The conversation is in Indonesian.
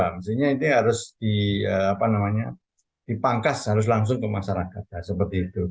mestinya ini harus dipangkas langsung ke masyarakat